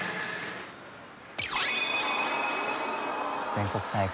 全国大会。